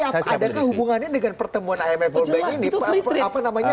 adakah hubungannya dengan pertemuan imf world bank ini